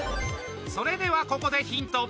それではここでヒント！